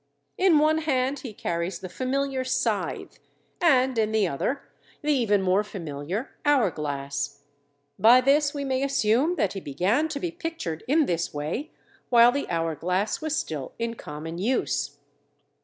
In one hand he carries the familiar scythe, and, in the other, the even more familiar hour glass. By this we may assume that he began to be pictured in this way while the hour glass was still in common use.